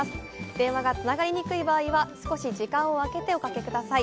電話がつながりにくい場合は、少し時間をあけて、おかけください。